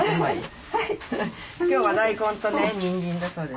今日は大根とねにんじんだそうです。